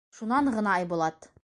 Шунан ғына Айбулат: